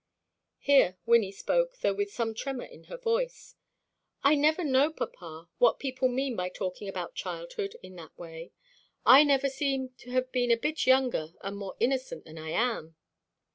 Here Wynnie spoke, though with some tremor in her voice. "I never know, papa, what people mean by talking about childhood in that way. I never seem to have been a bit younger and more innocent than I am."